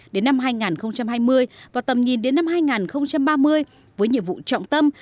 đến năm hai nghìn hai mươi và tầm nhìn đến năm hai nghìn ba mươi với nhiệm vụ trọng tâm